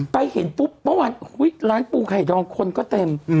ไปเห็นปุ๊บเมื่อวานร้านปูไข่ดองคนก็เต็ม